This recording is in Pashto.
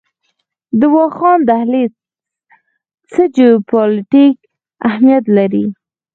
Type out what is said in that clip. د واخان دهلیز څه جیوپولیټیک اهمیت لري؟